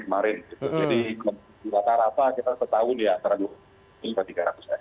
jadi di latar rata kita setahun ya antara dua ratus tiga ratus an